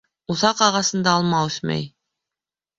Уҫаҡ ағасында алма үҫмәй.